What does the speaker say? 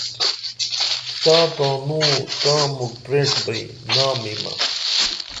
ݜا تانوں تاں مُکھ پریݜبئیں نامِمہ